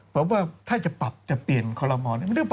ผมว่าถ้าจะปรับจะเปลี่ยนคอลโลมอลมันต้องปกติค่ะ